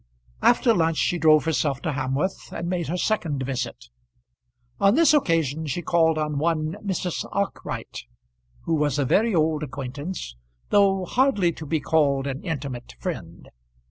After lunch she drove herself to Hamworth and made her second visit. On this occasion she called on one Mrs. Arkwright, who was a very old acquaintance, though hardly to be called an intimate friend.